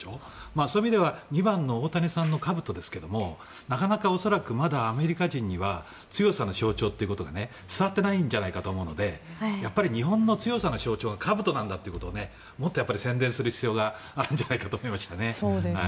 そういう意味では２番の大谷さんのかぶとですがなかなか、恐らくまだアメリカ人には強さの象徴というのが伝わっていないんじゃないかというので日本の強さの象徴はかぶとなんだということをもっと宣伝する必要があるんじゃないかと思いましたね。